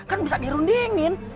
kan bisa dirundingin